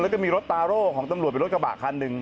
แล้วก็มีรถตาโร่ของตำรวจเป็นรถกระบะคันหนึ่ง